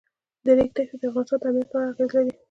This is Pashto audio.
د ریګ دښتې د افغانستان د امنیت په اړه هم اغېز لري.